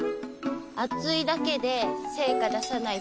熱いだけで成果出さない